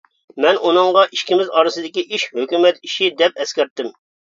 مەن ئۇنىڭغا ئىككىمىز ئارىسىدىكى ئىش ھۆكۈمەت ئىشى دەپ ئەسكەرتتىم.